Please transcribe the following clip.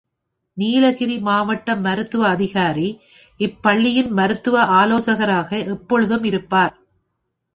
நீலகிரி மாவட்ட மருத்துவ அதிகாரி, இப் பள்ளியின் மருத்துவ ஆலோசகராக எப்பொழுதும் இருப்பார்.